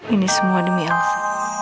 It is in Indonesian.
ini semua demi elsa